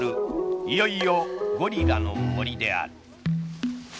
いよいよゴリラの森である。